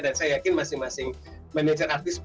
dan saya yakin masing masing manajer artis